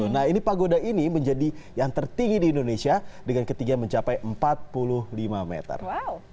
nah ini pagoda ini menjadi yang tertinggi di indonesia dengan ketinggian mencapai empat puluh lima meter